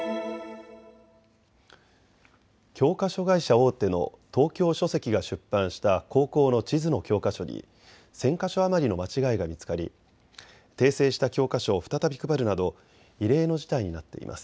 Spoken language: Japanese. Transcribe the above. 教科書会社大手の東京書籍が出版した高校の地図の教科書に１０００か所余りの間違いが見つかり訂正した教科書を再び配るなど異例の事態になっています。